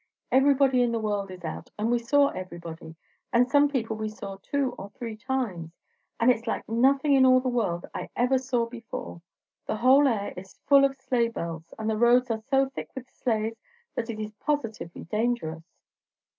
Everybody in the world is out, and we saw everybody, and some people we saw two or three times; and it's like nothing in all the world I ever saw before. The whole air is full of sleigh bells; and the roads are so thick with sleighs that it is positively dangerous."